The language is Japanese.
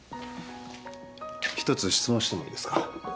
一つ質問してもいいですか？